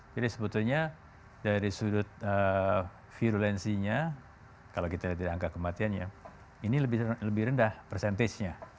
jadi sebetulnya dari sudut virulensinya kalau kita lihat dari angka kematiannya ini lebih rendah persentagenya